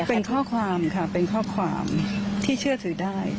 เป็นข้อความค่ะเป็นข้อความที่เชื่อถือได้